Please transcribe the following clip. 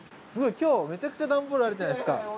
今日めちゃくちゃ段ボールあるじゃないですか！